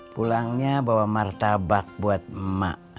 pulangnya bawa martabak buat emak